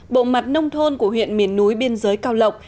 bộ mặt nông thôn của huyện miền núi biên giới cao lộc